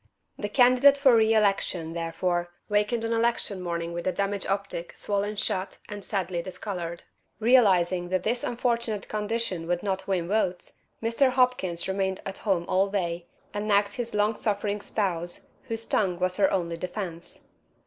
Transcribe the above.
The candidate for re election, therefore, wakened on election morning with the damaged optic swollen shut and sadly discolored. Realizing that this unfortunate condition would not win votes, Mr. Hopkins remained at home all day and nagged his long suffering spouse, whose tongue was her only defence.